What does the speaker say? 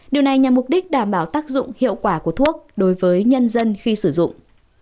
điều này nhằm mục đích đảm bảo tác dụng hiệu quả của thuốc đối với nhân dân khi sử dụng